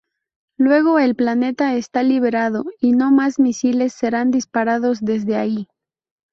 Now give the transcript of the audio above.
Luego el planeta está liberado y no más misiles serán disparados desde ahí.